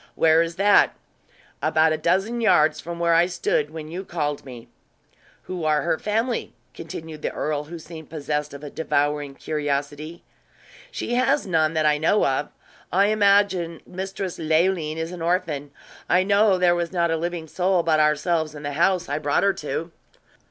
"Where is that?" "About a dozen yards from where I stood when you called me." "Who are her family?" continued the earl, who seemed possessed of a devouring curiosity. "She has none that I know of. I imagine Mistress Leoline is an orphan. I know there was not a living soul but ourselves in the house I brought her to."